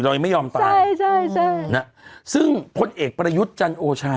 ยังไม่ยอมตายใช่ใช่นะซึ่งพลเอกประยุทธ์จันโอชา